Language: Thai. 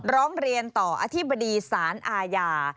ร้องเรียนต่ออธิบดีสารอาญา